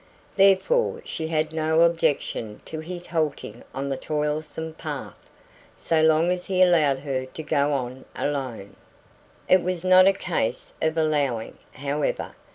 Therefore she had no objection to his halting on the toilsome path, so long as he allowed her to go on alone. It was not a case of allowing, however.